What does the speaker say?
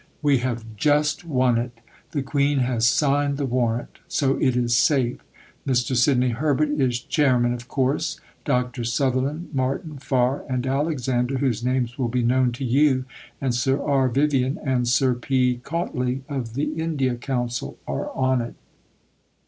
We have just won it. The Queen has signed the Warrant. So it is safe. Mr. Sidney Herbert is Chairman of course. Drs. Sutherland, Martin, Farr, and Alexander, whose names will be known to you, and Sir R. Vivian and Sir P. Cautley, of the India Council, are on it."